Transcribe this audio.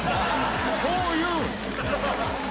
「そう言うん？」